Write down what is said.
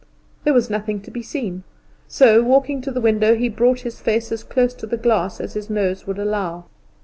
There was nothing to be seen; so walking to the window, he brought his face as close to the glass as his nose would allow.